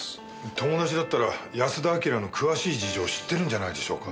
友達だったら安田章の詳しい事情を知ってるんじゃないでしょうか？